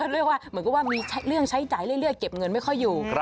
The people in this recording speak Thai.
เรียกว่าเหมือนกับว่ามีเรื่องใช้จ่ายเรื่อยเก็บเงินไม่ค่อยอยู่